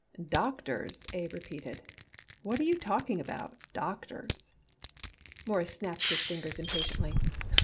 "Doctors?" Abe repeated. "What are you talking about doctors?" Morris snapped his fingers impatiently.